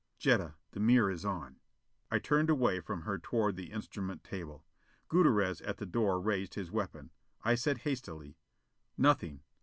"Jetta, the mirror is on." I turned away from her toward the instrument table. Gutierrez at the door raised his weapon. I said hastily, "Nothing.